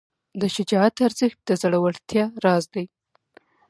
د شجاعت ارزښت د زړورتیا راز دی.